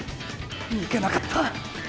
抜けなかった！